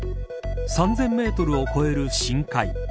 ３０００メートルを超える深海。